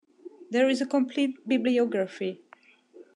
There is a complete bibliography.